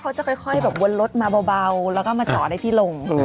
เขาจะค่อยแบบวนรถมาเบาแล้วก็มาจอดให้พี่ลง